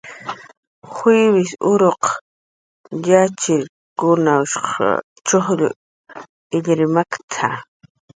Juivis uruq yatxchiriwshq chullkun illir maktna